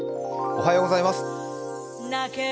おはようございます。